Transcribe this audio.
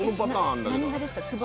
何派ですか？